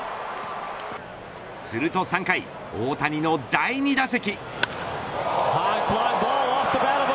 すると３回大谷の第２打席。